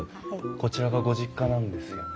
こちらがご実家なんですよね？